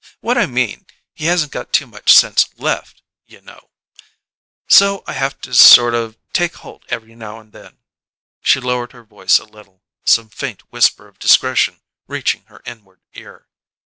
What I mean, he hasn't got too much sense left, you know. So I haf to sort of take holt every now and then." She lowered her voice a little, some faint whisper of discretion reaching her inward ear.